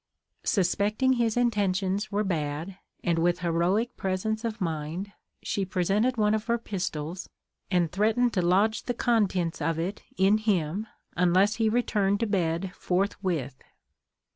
Suspecting his intentions were bad, and with heroic presence of mind, she presented one of her pistols, and threatened to lodge the contents of it in him, unless he returned to bed forthwith.